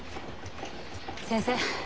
先生